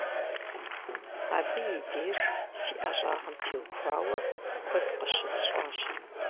Абы и деж си ӀэщӀагъэм теухуауэ куэд къыщысщӀащ.